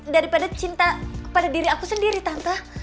daripada cinta pada diri aku sendiri tante